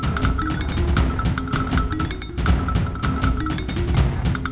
indri seneng kok ma